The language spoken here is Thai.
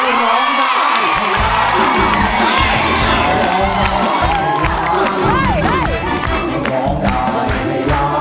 ได้ได้